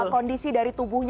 kondisi dari tubuhnya